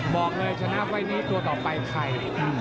บอกเลยชนะไฟตัวต่อไปใคร